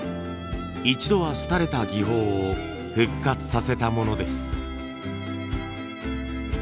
一度は廃れた技法を復活させたものです。